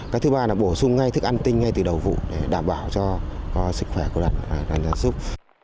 cái thứ ba là bổ sung ngay thức ăn tinh ngay từ đầu vụ để đảm bảo cho sức khỏe của đàn gia súc